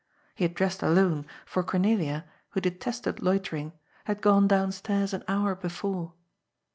He had dressed alone, for Cornelia, who detested loiter ing, had gone downstairs an hour before.